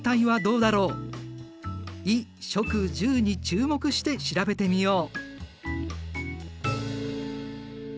「衣食住」に注目して調べてみよう。